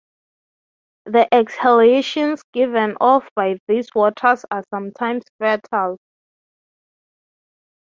The exhalations given off by these waters are sometimes fatal.